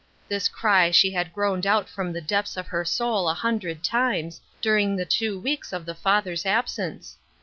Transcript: This cry she had groaned out from the depths of her soul a hundred times, during the two weeks of the father's absence.